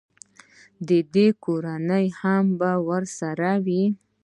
د ده کورنۍ به هم ورسره وي.